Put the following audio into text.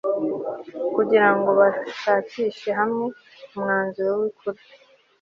kugira ngo bashakire hamwe umwanzuro w'ukuri